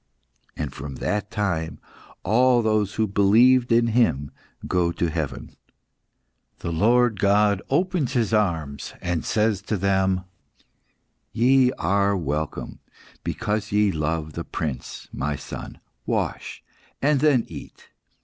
"And, from that time, all those who believed in Him go to heaven. "The Lord God opens His arms, and says to them "'Ye are welcome, because ye love the Prince, My Son. Wash, and then eat.